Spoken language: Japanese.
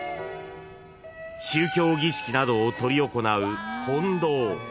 ［宗教儀式などを執り行う］